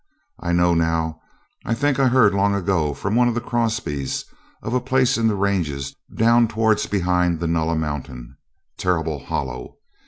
'I know now. I think I heard long ago from one of the Crosbies of a place in the ranges down towards behind the Nulla Mountain, "Terrible Hollow".